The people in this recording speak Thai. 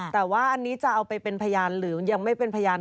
แต่ว่าอันนี้จะเอาไปเป็นพยานหรือยังไม่เป็นพยาน